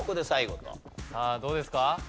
さあどうですか？